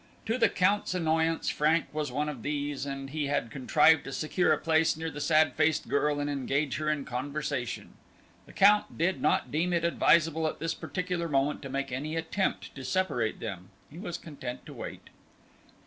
To the Count's annoyance, Frank was one of these, and he had contrived to secure a place near the sad faced girl and engage her in conversation. The Count did not deem it advisable at this particular moment to make any attempt to separate them: he was content to wait.